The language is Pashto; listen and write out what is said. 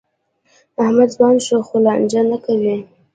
احمد ځوان شو؛ خو لانجه نه کوي.